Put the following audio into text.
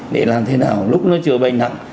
để làm thế nào lúc nó chưa bệnh hẳn